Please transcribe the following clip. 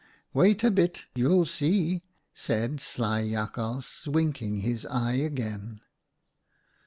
"' Wait a bit, you'll see,' said sly Jakhals, winking his eye again.